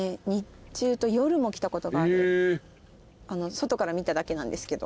外から見ただけなんですけど。